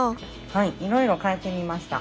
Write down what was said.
はいいろいろ変えてみました。